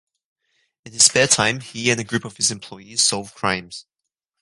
In his spare time, he and a group of his employees solve crimes.